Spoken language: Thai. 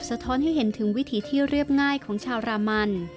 ท้อนให้เห็นถึงวิถีที่เรียบง่ายของชาวรามัน